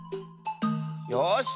よし。